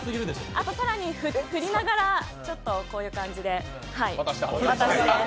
あと更に、振りながらこういう感じで渡して。